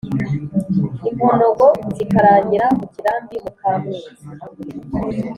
imponogo zikarangira mu kirambi muka mwezi."